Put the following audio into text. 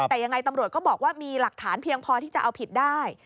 แต่ยังไงตำรวจก็บอกว่ามีหลักฐานเพียงพอที่จะเอาผิดได้